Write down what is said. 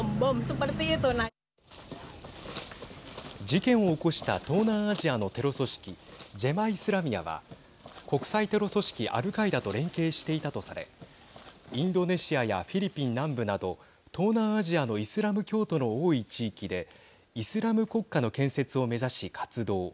事件を起こした東南アジアのテロ組織ジェマ・イスラミアは国際テロ組織アルカイダと連携していたとされインドネシアやフィリピン南部など東南アジアのイスラム教徒の多い地域でイスラム国家の建設を目指し活動。